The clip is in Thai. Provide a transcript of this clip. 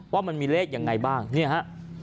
ว่ามันมีเลขอย่างไรบ้างน่าฮะ